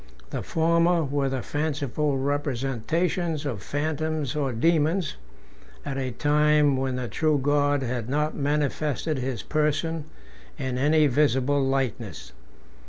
The former were the fanciful representations of phantoms or daemons, at a time when the true God had not manifested his person in any visible likeness.